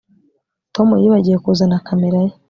Tom yibagiwe kuzana kamera ye